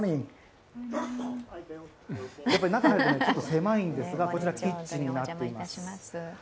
中に入ると狭いんですが、こちらキッチンになっています。